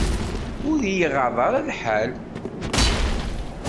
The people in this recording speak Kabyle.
Ur y-iɣaḍ ara lḥal.